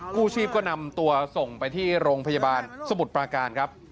กู้ชีพก็นำตัวส่งไปที่โรงพยาบาลสมุทรปราการครับ